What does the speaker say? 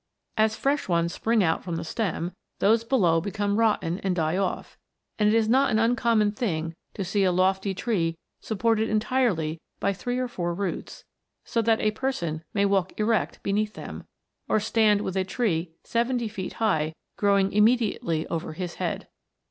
As fresh ones spring out from the stem, those below become rotten and die off; and it is not an uncommon thing to see a lofty tree supported en tirely by three or four roots, so that a person may walk erect beneath them, or stand with a tree seventy feet high growing immediately over his head.